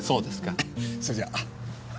それじゃ。